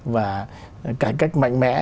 và cải cách mạnh mẽ